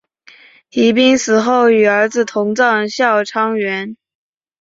宜嫔死后与儿子同葬孝昌园。